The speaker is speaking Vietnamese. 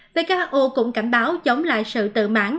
who cũng cảnh báo chống lại sự tự mãn